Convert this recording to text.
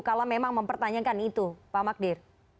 kalau memang mempertanyakan itu pak magdir